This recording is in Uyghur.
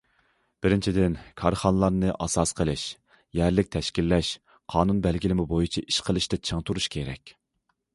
بىرىنچىدىن، كارخانىلارنى ئاساس قىلىش، يەرلىك تەشكىللەش، قانۇن- بەلگىلىمە بويىچە ئىش قىلىشتا چىڭ تۇرۇش كېرەك.